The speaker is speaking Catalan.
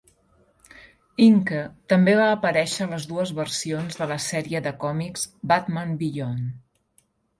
Inque també va aparèixer a les dues versions de la sèrie de còmics "Batman Beyond".